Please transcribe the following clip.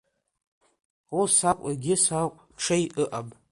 Ус акә, егьыс акә, ҽеи ыҟам.